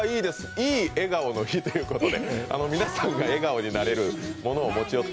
いい笑顔の日ということで皆さんが笑顔になれるものを持ち寄った。